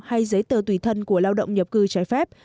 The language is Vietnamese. hay giấy tờ tùy thân của lao động nhập cư trái phép